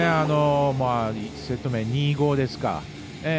セット２−５ですか。